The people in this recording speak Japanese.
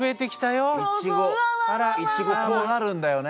いちごこうなるんだよね。